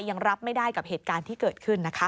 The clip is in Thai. ยังรับไม่ได้กับเหตุการณ์ที่เกิดขึ้นนะคะ